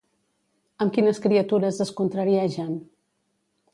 Amb quines criatures es contrariegen?